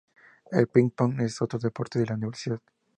El ping-pong es otro deporte de la universidad.